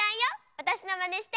わたしのまねして！